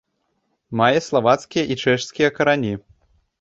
Мае славацкія і чэшскія карані.